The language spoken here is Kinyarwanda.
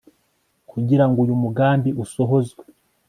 kugira ngo uyu mugambi usohozwe